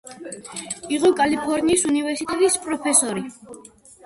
იყო კალიფორნიის უნივერსიტეტის პროფესორი.